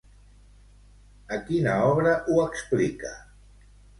A quina obra ho explica?